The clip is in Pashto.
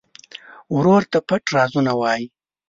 ورور ته پټ رازونه وایې.